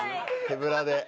手ぶらで。